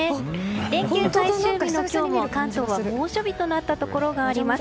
連休最終日の今日も関東は猛暑日となったところがあります。